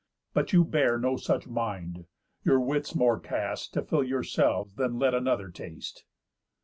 But you bear no such mind, your wits more cast To fill yourself than let another taste."